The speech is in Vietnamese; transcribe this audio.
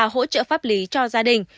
hỗ trợ pháp lý cho gia đình